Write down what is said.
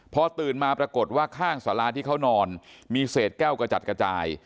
พอตื่นมาปรากฏว่าข้างสาราที่เขานอนมีเศษแก้วกระจัดกระจาย